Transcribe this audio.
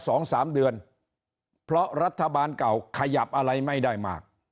สองสามเดือนเพราะรัฐบาลเก่าขยับอะไรไม่ได้มาก